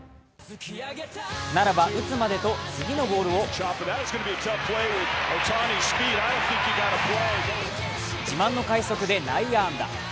ならば、打つまでと次のボールを自慢の快足で内野安打。